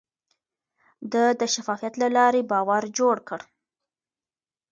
ده د شفافيت له لارې باور جوړ کړ.